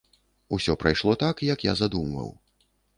Усё прайшло так, як я задумваў.